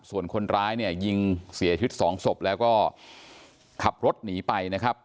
ส่วนคนร้ายเนี่ยยิงเสียชีวิตสองศพแล้วก็ขับรถหนีไปนะครับ